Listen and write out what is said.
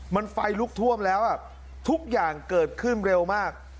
มันไฟลุกท่วมแล้วทุกอย่างเกิดขึ้นเร็วมาก